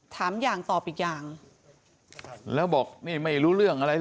ถามอย่างตอบอีกอย่างแล้วบอกนี่ไม่รู้เรื่องอะไร